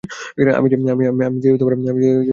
আমি যেয়ে এস্টনে উঠছি।